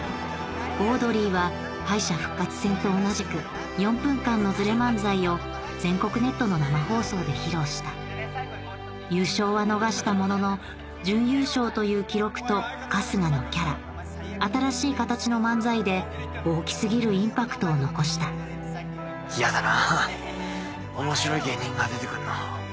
オードリーは敗者復活戦と同じく４分間の「ズレ漫才」を全国ネットの生放送で披露した優勝は逃したものの準優勝という記録と春日のキャラ新しい形の漫才で大き過ぎるインパクトを残した嫌だな面白い芸人が出てくるの。